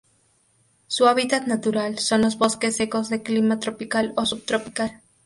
Su hábitat natural son los bosques secos de clima tropical o subtropical.